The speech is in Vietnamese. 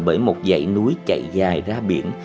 bởi một dãy núi chạy dài ra biển